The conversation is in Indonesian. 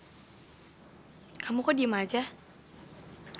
tante sama papaku kayaknya mereka suka deh sama kamu